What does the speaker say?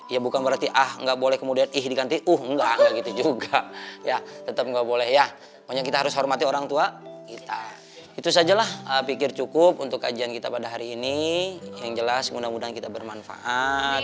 ya bukan berarti ah nggak boleh kemudian ih diganti uh enggak enggak gitu juga ya tetap nggak boleh ya pokoknya kita harus hormati orang tua kita itu sajalah pikir cukup untuk kajian kita pada hari ini yang jelas mudah mudahan kita bermanfaat